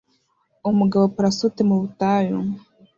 umugabo parasute mu butayu